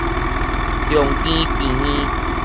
長庚病院